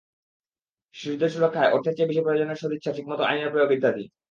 শিশুদের সুরক্ষায় অর্থের চেয়ে বেশি প্রয়োজন সদিচ্ছা, ঠিকমতো আইনের প্রয়োগ ইত্যাদি।